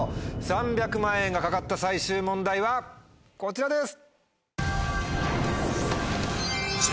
３００万円が懸かった最終問題はこちらです。